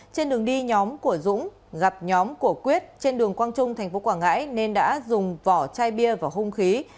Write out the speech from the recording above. trên đường đi nhóm của dũng gặp nhóm của quyết trên đường quang trung tp quảng ngãi nên đã dùng vỏ chai bia và hung khí